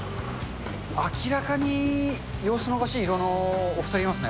明らかに様子のおかしい色のお２人、いますね。